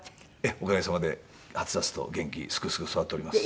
おかげさまではつらつと元気にすくすく育っております。